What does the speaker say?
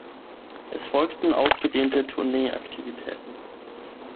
Es folgten ausgedehnte Tournee-Aktivitäten.